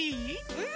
うん？